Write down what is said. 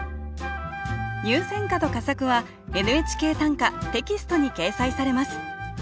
入選歌と佳作は「ＮＨＫ短歌」テキストに掲載されます